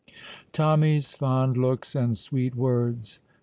Tommy's fond looks and sweet words!